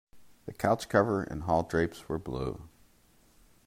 The couch cover and hall drapes were blue.